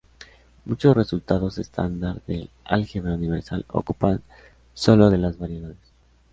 Muchos resultados estándar del álgebra universal ocupan sólo de las variedades.